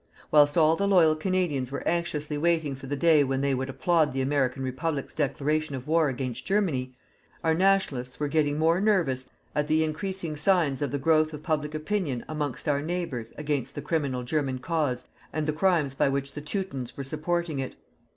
Whilst all the loyal Canadians were anxiously waiting for the day when they would applaud the American Republic's declaration of war against Germany, our Nationalists were getting more nervous at the increasing signs of the growth of public opinion amongst our neighbours against the criminal German cause and the crimes by which the Teutons were supporting it.